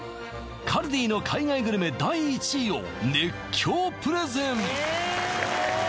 カルディの海外グルメ第１位を熱狂プレゼン